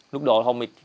lúc đó họ mới